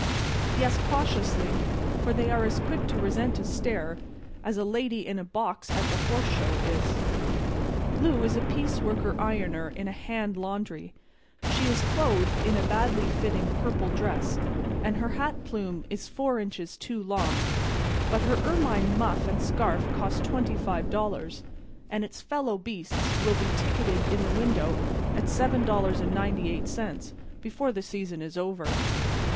Yes, cautiously; for they are as quick to resent a stare as a lady in a box at the horse show is. Lou is a piece work ironer in a hand laundry. She is clothed in a badly fitting purple dress, and her hat plume is four inches too long; but her ermine muff and scarf cost $25, and its fellow beasts will be ticketed in the windows at $7.98 before the season is over.